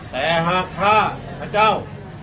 แต่หากข้าพเจ้า